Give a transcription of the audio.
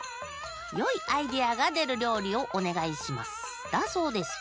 「よいアイデアがでるりょうりをおねがいします」だそうです。